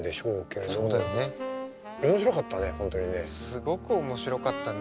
すごく面白かったね。